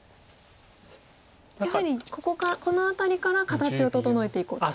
やはりこの辺りから形を整えていこうと。